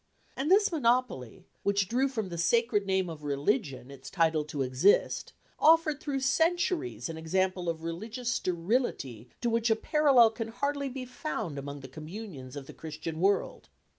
And this monopoly, which drew from the sacred name of religion its title to exist, offered through centuries an example of religious sterility to which a parallel can hardly be found among the communions of the Christian world.